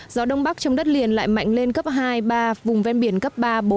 gió đông bắc trong đất liền lại mạnh lên cấp hai ba vùng ven biển cấp ba bốn